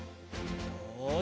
よし。